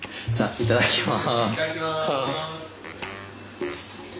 いただきます。